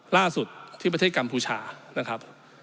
ล่าสุดที่ประเทศกัมพูชานะครับ